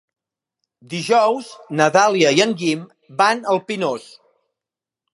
Dijous na Dàlia i en Guim van al Pinós.